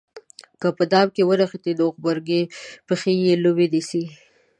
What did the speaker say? که په دام کې ونښتې نو غبرګې پښې یې لومې نیسي.